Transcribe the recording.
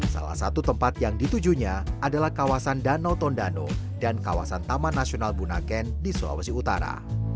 salah satu tempat yang ditujunya adalah kawasan danau tondano dan kawasan taman nasional bunaken di sulawesi utara